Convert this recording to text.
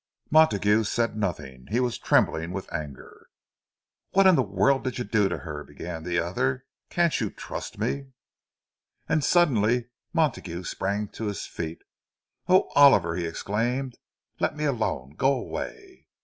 Montague said nothing; he was trembling with anger. "What in the world did you do to her?" began the other. "Can't you trust me—" And suddenly Montague sprang to his feet. "Oh, Oliver," he exclaimed, "let me alone! Go away!"